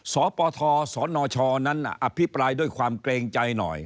สปทสนชนั้นอภิปรายด้วยความเกรงใจหน่อย